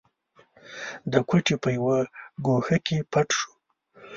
د کوټې په يوه ګوښه کې پټ شو.